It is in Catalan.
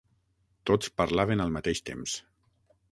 Tots parlaven al mateix temps.